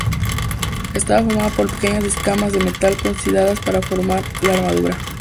Estaba formada por pequeñas escamas de metal cosidas para formar la armadura.